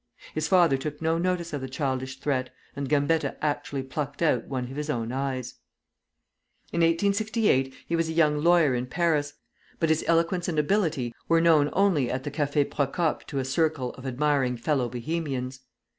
His father took no notice of the childish threat, and Gambetta actually plucked out one of his own eyes. In 1868 he was a young lawyer in Paris; but his eloquence and ability were known only at the Café Procope to a circle of admiring fellow Bohemians.